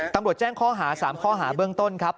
ตำรวจแจ้งข้อหา๓ข้อหาเบื้องต้นครับ